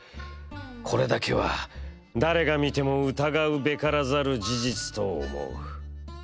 これだけは誰が見ても疑うべからざる事実と思う」。